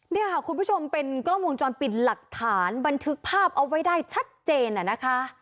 เนี่ยค่ะคุณผู้ชมเป็นกล้องวงจรปิดหลักฐานบันทึกภาพเอาไว้ได้ชัดเจนนะคะ